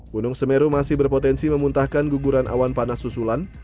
gunung semeru masih berpotensi memuntahkan guguran awan panas susulan